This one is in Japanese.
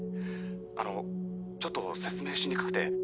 あのちょっと説明しにくくて。